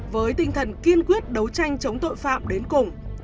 với tinh thần kiên quyết đấu tranh chống tội phạm đến cùng